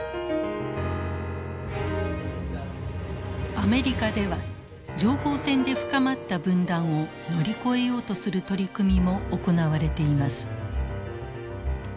アメリカでは情報戦で深まった分断を乗り越えようとする取り組みも行われています。